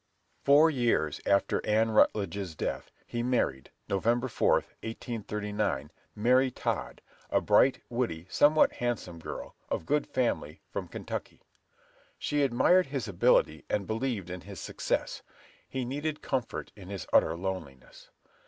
Four years after Ann Rutledge's death, he married, Nov. 4, 1839, Mary Todd, a bright, witty, somewhat handsome girl, of good family, from Kentucky. She admired his ability, and believed in his success; he needed comfort in his utter loneliness.